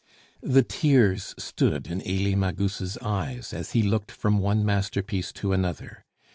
The tears stood in Elie Magus' eyes as he looked from one masterpiece to another.